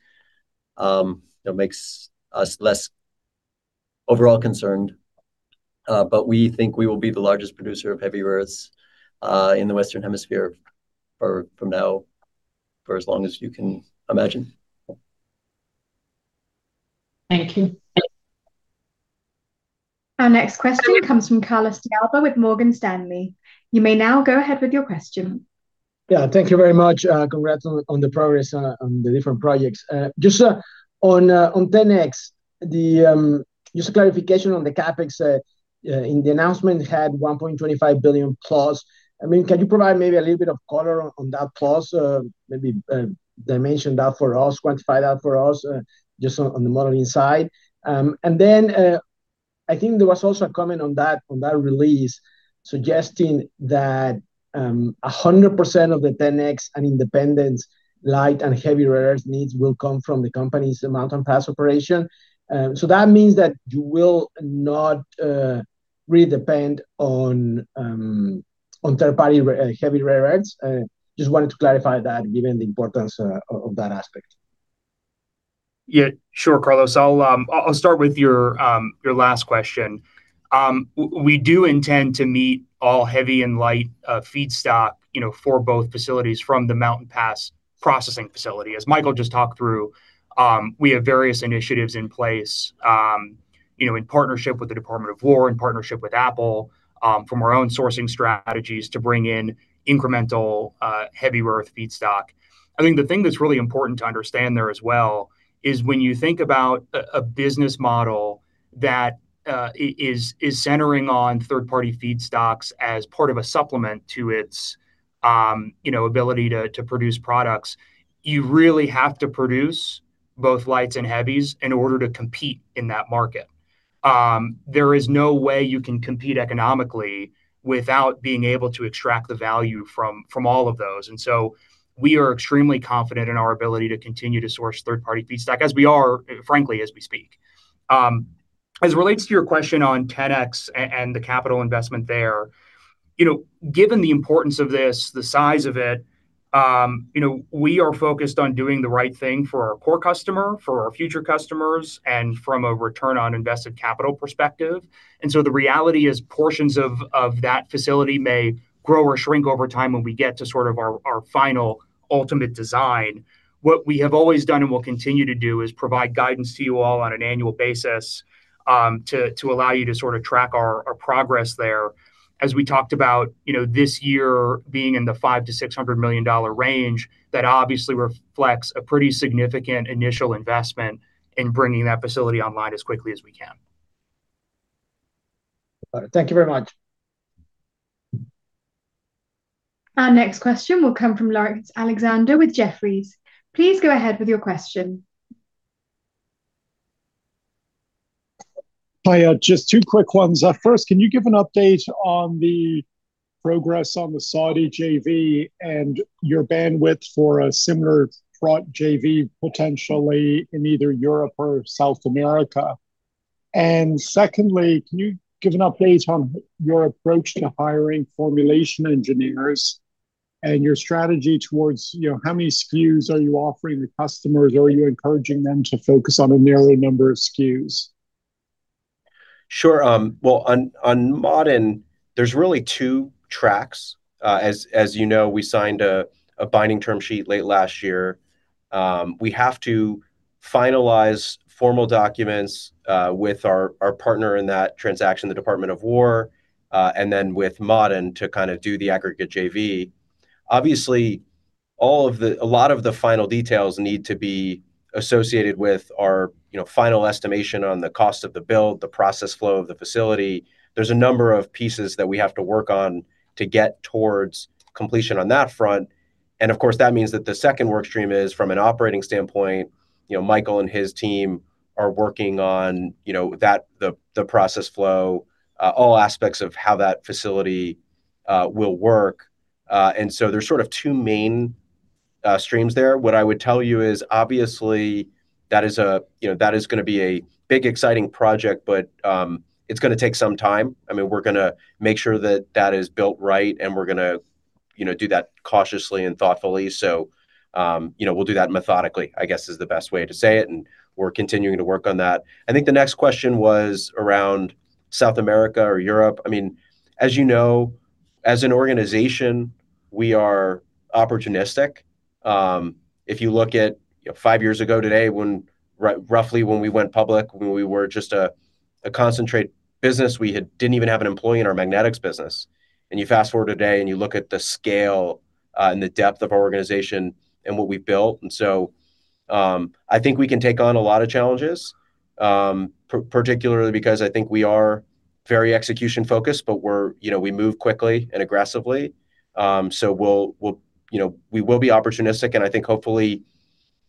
you know, makes us less overall concerned, but we think we will be the largest producer of heavy earths in the Western Hemisphere for, from now, for as long as you can imagine. Thank you. Our next question comes from Carlos de Alba with Morgan Stanley. You may now go ahead with your question. Yeah. Thank you very much. Congrats on the progress on the different projects. Just on 10X. Just a clarification on the CapEx in the announcement had $1.25 billion plus. I mean, can you provide maybe a little bit of color on that plus? Maybe dimension that for us, quantify that for us, just on the modeling side. I think there was also a comment on that, on that release suggesting that 100% of the 10X and Independence light and heavy rare earths needs will come from the company's Mountain Pass operation. That means that you will not really depend on third-party heavy rare earths. Just wanted to clarify that given the importance of that aspect. Yeah, sure, Carlos. I'll start with your last question. We do intend to meet all heavy and light feedstock, you know, for both facilities from the Mountain Pass processing facility. As Michael just talked through, we have various initiatives in place, you know, in partnership with the Department of War, in partnership with Apple, from our own sourcing strategies to bring in incremental heavy rare earth feedstock. I think the thing that's really important to understand there as well is when you think about a business model that is centering on third-party feedstocks as part of a supplement to its, you know, ability to produce products, you really have to produce both lights and heavies in order to compete in that market. There is no way you can compete economically without being able to extract the value from all of those. We are extremely confident in our ability to continue to source third-party feedstock as we are, frankly, as we speak. As it relates to your question on 10X and the capital investment there, you know, given the importance of this, the size of it, you know, we are focused on doing the right thing for our core customer, for our future customers, and from a return on invested capital perspective. The reality is portions of that facility may grow or shrink over time when we get to sort of our final ultimate design. What we have always done and will continue to do is provide guidance to you all on an annual basis, to allow you to sort of track our progress there. As we talked about, you know, this year being in the $500 million-$600 million range, that obviously reflects a pretty significant initial investment in bringing that facility online as quickly as we can. Got it. Thank you very much. Our next question will come from Laurence Alexander with Jefferies. Please go ahead with your question. Hiya. Just two quick ones. First, can you give an update on the progress on the Saudi JV and your bandwidth for a similar front JV potentially in either Europe or South America? Secondly, can you give an update on your approach to hiring formulation engineers and your strategy towards, you know, how many SKUs are you offering the customers? Or are you encouraging them to focus on a narrower number of SKUs? Sure. well, on Maaden, there's really two tracks. as you know, we signed a binding term sheet late last year. we have to finalize formal documents, with our partner in that transaction, the Department of War, and then with Maaden to kind of do the aggregate JV. Obviously, all of the a lot of the final details need to be associated with our, you know, final estimation on the cost of the build, the process flow of the facility. There's a number of pieces that we have to work on to get towards completion on that front. of course, that means that the second work stream is from an operating standpoint. You know, Michael and his team are working on, you know, the process flow, all aspects of how that facility will work. There's sort of two main streams there. What I would tell you is obviously that is a, you know, that is gonna be a big exciting project, but it's gonna take some time. I mean, we're gonna make sure that that is built right, and we're gonna, you know, do that cautiously and thoughtfully. You know, we'll do that methodically, I guess is the best way to say it, and we're continuing to work on that. I think the next question was around South America or Europe. I mean, as you know, as an organization, we are opportunistic. If you look at five years ago today when roughly when we went public, when we were just a concentrate business, we didn't even have an employee in our magnetics business. You fast-forward today, and you look at the scale, and the depth of our organization and what we've built. I think we can take on a lot of challenges, particularly because I think we are very execution-focused, but we're, you know, we move quickly and aggressively. We'll, you know, we will be opportunistic, and I think hopefully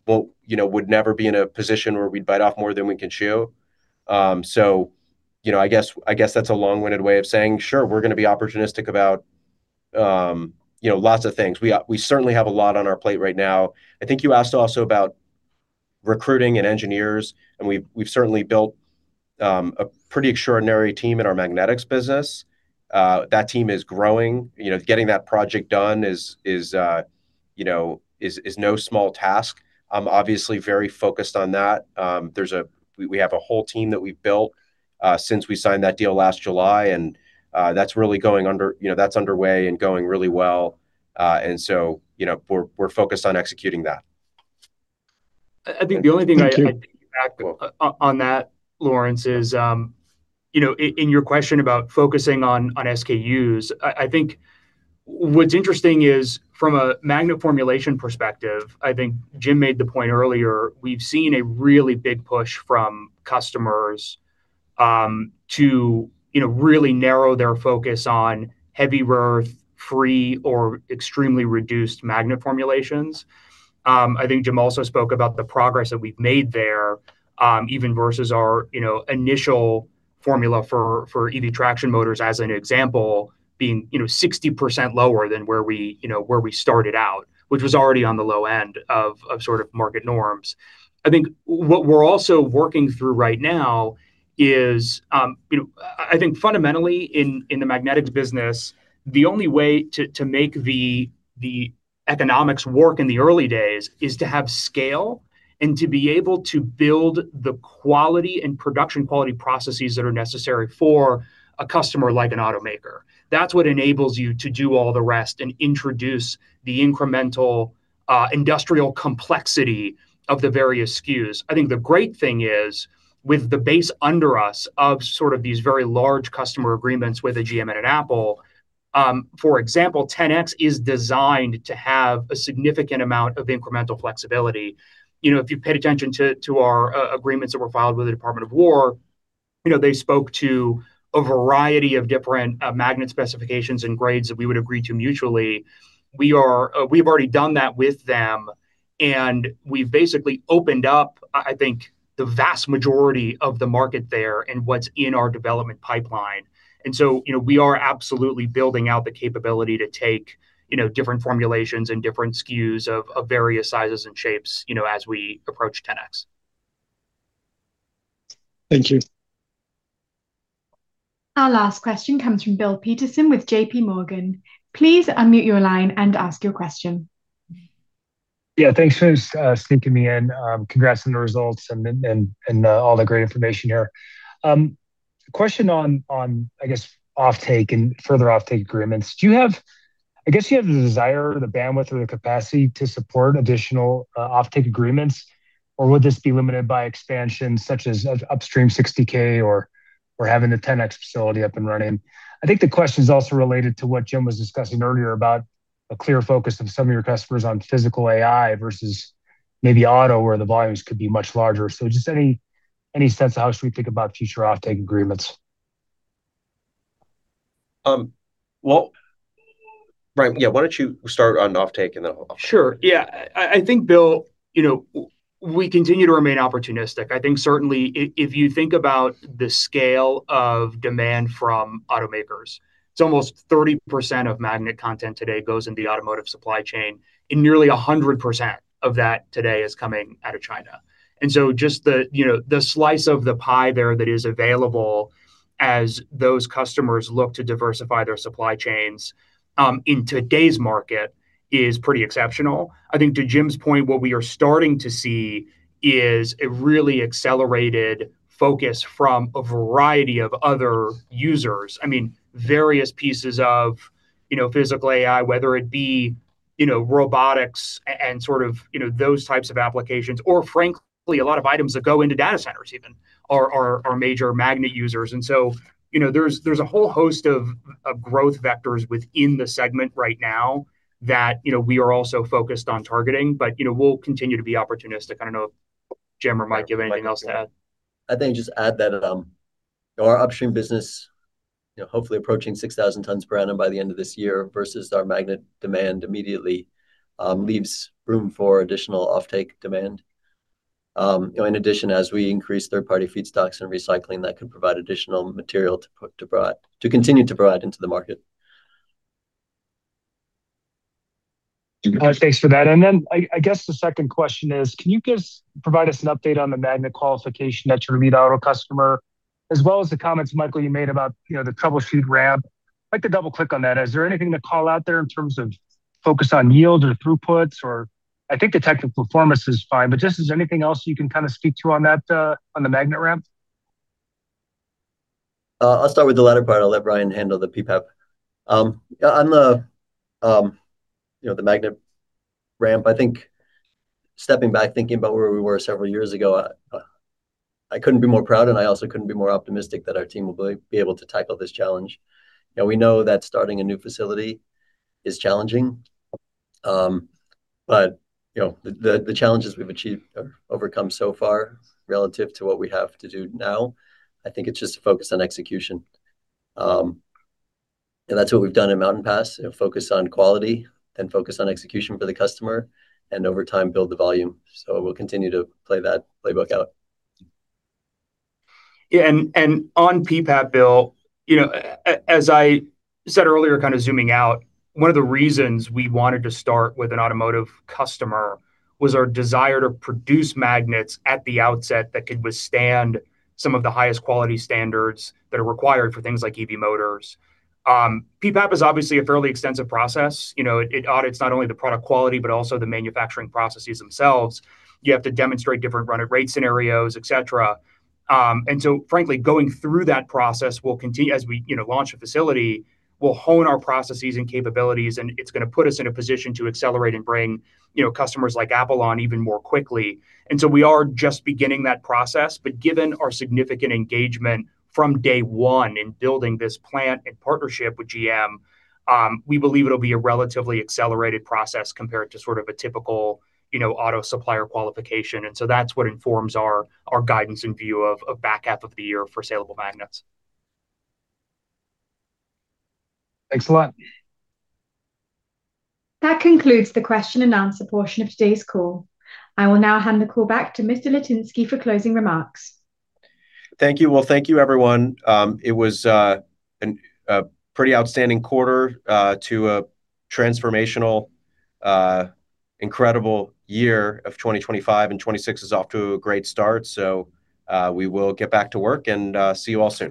we'll, you know, we'd never be in a position where we'd bite off more than we can chew. You know, I guess that's a long-winded way of saying, sure, we're gonna be opportunistic about, you know, lots of things. We certainly have a lot on our plate right now. I think you asked also about recruiting and engineers, and we've certainly built, a pretty extraordinary team in our magnetics business. That team is growing. You know, getting that project done is, you know, is no small task. I'm obviously very focused on that. We have a whole team that we've built, since we signed that deal last July, and that's really going, you know, that's underway and going really well. You know, we're focused on executing that. I think the only thing I'd on that, Laurence, is, you know, in your question about focusing on SKUs. Thank you. I think what's interesting is from a magnet formulation perspective, I think Jim made the point earlier, we've seen a really big push from customers, to, you know, really narrow their focus on heavy rare earth-free or extremely reduced magnet formulations. I think Jim also spoke about the progress that we've made there, even versus our, you know, initial formula for EV traction motors, as an example, being, you know, 60% lower than where we started out, which was already on the low end of sort of market norms. I think what we're also working through right now is, you know, I think fundamentally in the magnetics business, the only way to make the economics work in the early days is to have scale and to be able to build the quality and production quality processes that are necessary for a customer like an automaker. That's what enables you to do all the rest and introduce the incremental industrial complexity of the various SKUs. I think the great thing is, with the base under us of sort of these very large customer agreements with a GM and an Apple, for example, 10X is designed to have a significant amount of incremental flexibility. You know, if you paid attention to our agreements that were filed with the Department of War, you know, they spoke to a variety of different magnet specifications and grades that we would agree to mutually. We've already done that with them, and we've basically opened up, I think, the vast majority of the market there and what's in our development pipeline. You know, we are absolutely building out the capability to take, you know, different formulations and different SKUs of various sizes and shapes, you know, as we approach 10X. Thank you. Our last question comes from Bill Peterson with JPMorgan. Please unmute your line and ask your question. Yeah, thanks for sneaking me in. Congrats on the results and all the great information here. Question on I guess, offtake and further offtake agreements. I guess you have the desire, or the bandwidth, or the capacity to support additional offtake agreements, or would this be limited by expansion such as Upstream 60K or having the 10X facility up and running? I think the question is also related to what Jim was discussing earlier about a clear focus of some of your customers on physical AI versus maybe auto, where the volumes could be much larger. Just any sense of how should we think about future offtake agreements? Well. Ryan, yeah, why don't you start on offtake and then I'll- Sure, yeah. I think, Bill, you know, we continue to remain opportunistic. I think certainly if you think about the scale of demand from automakers, it's almost 30% of magnet content today goes in the automotive supply chain, and nearly 100% of that today is coming out of China. Just the, you know, the slice of the pie there that is available as those customers look to diversify their supply chains, in today's market is pretty exceptional. I think to Jim's point, what we are starting to see is a really accelerated focus from a variety of other users. I mean, various pieces of, you know, physical AI, whether it be, you know, robotics and sort of, you know, those types of applications, or frankly, a lot of items that go into data centers even are major magnet users. You know, there's a whole host of growth vectors within the segment right now that, you know, we are also focused on targeting. You know, we'll continue to be opportunistic. I don't know if Jim or Mike have anything else to add. I think just add that, our upstream business, you know, hopefully approaching 6,000 tons per annum by the end of this year versus our magnet demand immediately, leaves room for additional offtake demand. In addition, as we increase third-party feedstocks and recycling, that could provide additional material to continue to broad into the market. All right, thanks for that. I guess the second question is, can you provide us an update on the magnet qualification at your lead auto customer, as well as the comments, Michael, you made about, you know, the troubleshoot ramp. I'd like to double-click on that. Is there anything to call out there in terms of focus on yield or throughputs or... I think the technical performance is fine, but just is there anything else you can kind of speak to on that on the magnet ramp? I'll start with the latter part. I'll let Ryan handle the PPAP. On the, you know, the magnet ramp, I think stepping back, thinking about where we were several years ago, I couldn't be more proud and I also couldn't be more optimistic that our team will be able to tackle this challenge. You know, we know that starting a new facility is challenging, but, you know, the challenges we've achieved or overcome so far relative to what we have to do now, I think it's just a focus on execution. And that's what we've done at Mountain Pass, you know, focus on quality and focus on execution for the customer, and over time, build the volume. We'll continue to play that playbook out. Yeah. On PPAP, Bill, you know, as I said earlier, kind of zooming out, one of the reasons we wanted to start with an automotive customer was our desire to produce magnets at the outset that could withstand some of the highest quality standards that are required for things like EV motors. PPAP is obviously a fairly extensive process. You know, it audits not only the product quality, but also the manufacturing processes themselves. You have to demonstrate different run at rate scenarios, et cetera. Frankly, going through that process will continue as we, you know, launch a facility, will hone our processes and capabilities, and it's gonna put us in a position to accelerate and bring, you know, customers like Apple on even more quickly. We are just beginning that process. Given our significant engagement from day one in building this plant in partnership with GM, we believe it'll be a relatively accelerated process compared to sort of a typical, you know, auto supplier qualification. That's what informs our guidance and view of back half of the year for sellable magnets. Thanks a lot. That concludes the question-and-answer portion of today's call. I will now hand the call back to Mr. Litinsky for closing remarks. Thank you. Well, thank you, everyone. It was a pretty outstanding quarter to a transformational incredible year of 2025, and 2026 is off to a great start. We will get back to work and see you all soon.